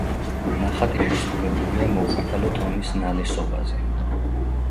ნახატი შესრულებულია მოყვითალო ტონის ნალესობაზე.